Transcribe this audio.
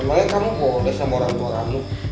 emangnya kamu boleh sama orang tua kamu